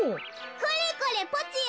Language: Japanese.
「これこれポチよ